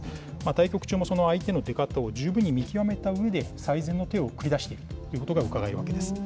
対局中もその相手の出方を十分に見極めたうえで、最善の手を繰り出しているということがうかがえるわけです。